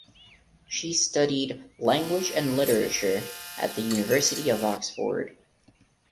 She studied Language and Literature at the University of Oxford.